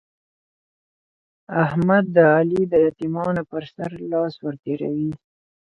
احمد د علي د يتيمانو پر سر لاس ور تېروي.